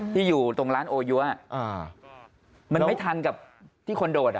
ที่อยู่ตรงร้านโอยัวมันไม่ทันกับที่คนโดดอ่ะ